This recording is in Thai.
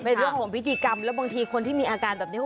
เป็นเรื่องของพิธีกรรมแล้วบางทีคนที่มีอาการแบบนี้